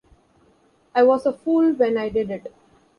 I was a fool when I did it.